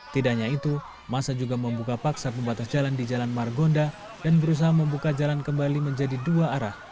tidak hanya itu masa juga membuka paksa pembatas jalan di jalan margonda dan berusaha membuka jalan kembali menjadi dua arah